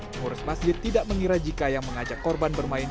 pengurus masjid tidak mengira jika yang mengajak korban bermain